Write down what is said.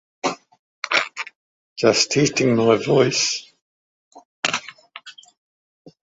The plaintiff brought an action for specific performance of the contract.